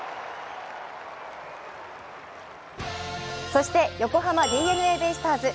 そして、横浜ＤｅＮＡベイスターズ。